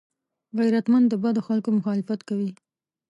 غیرتمند د بدو خلکو مخالفت کوي